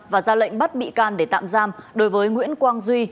và ra lệnh bắt bị can để tạm giam đối với nguyễn quang duy